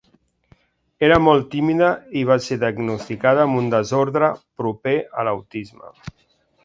Era molt tímida i va ser diagnosticada amb un desordre proper a l'autisme.